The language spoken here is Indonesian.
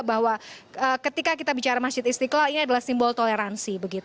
bahwa ketika kita bicara masjid istiqlal ini adalah simbol toleransi